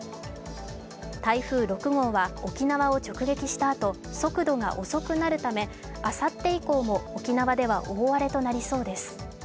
台風６号は沖縄を直撃したあと速度が遅くなるためあさって以降も沖縄では大荒れとなりそうです。